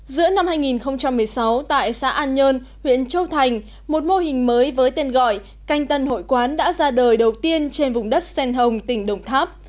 giữa năm hai nghìn một mươi sáu tại xã an nhơn huyện châu thành một mô hình mới với tên gọi canh tân hội quán đã ra đời đầu tiên trên vùng đất xen hồng tỉnh đồng tháp